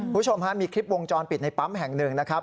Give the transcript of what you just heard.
คุณผู้ชมฮะมีคลิปวงจรปิดในปั๊มแห่งหนึ่งนะครับ